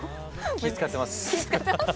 気遣ってます。